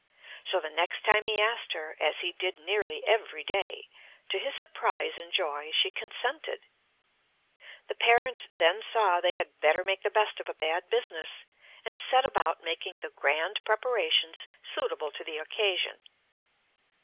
So the next time he asked her as he did nearly every day to his surprise and joy she consented. The parents then saw they had better make the best of a bad business, and set about making the grand preparations suitable to the occasion.